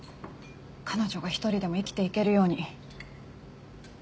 彼女が１人でも生きていけるように。